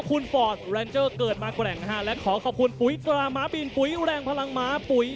กดกติการเป็นยังไงน้องกาย